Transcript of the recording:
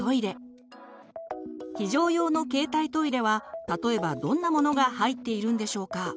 非常用の携帯トイレは例えばどんなものが入っているんでしょうか。